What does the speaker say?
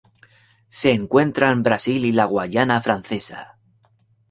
Se encuentra en Brasil y la Guayana francesa.